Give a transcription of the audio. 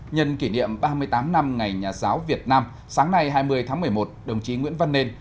nhân kỷ niệm ba mươi tám năm ngày nhà giáo việt nam sáng nay hai mươi tháng một mươi một đồng chí nguyễn văn nên